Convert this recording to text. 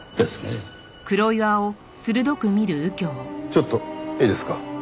ちょっといいですか？